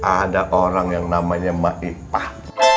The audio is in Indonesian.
ada orang yang namanya ⁇ maipah